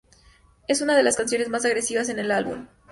Es una de las canciones más agresivas en el álbum.